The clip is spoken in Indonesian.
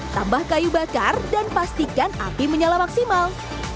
tambah kayu bakar dan pastikan api menyala maksimal